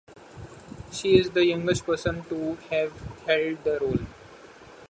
She is the youngest person to have held the role.